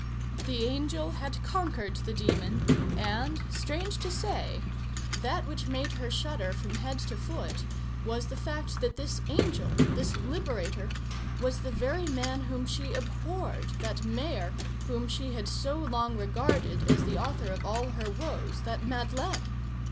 The angel had conquered the demon, and, strange to say, that which made her shudder from head to foot was the fact that this angel, this liberator, was the very man whom she abhorred, that mayor whom she had so long regarded as the author of all her woes, that Madeleine!